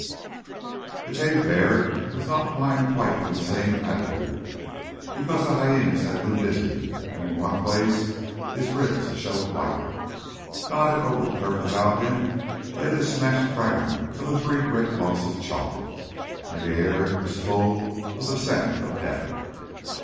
The cave bear was not lying quite in the same attitude, because the hyænas had been busy, and in one place his ribs showed white. Dotted over the turf about him lay the smashed fragments of the three great lumps of chalk. And the air was full of the scent of death.